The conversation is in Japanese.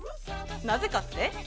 なぜかって？